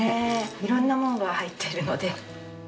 色んなものが入ってるので。